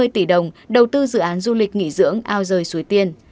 một trăm năm mươi tỷ đồng đầu tư dự án du lịch nghỉ dưỡng ao rời suối tiên